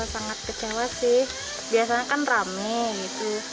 sangat kecewa sih biasanya kan rame gitu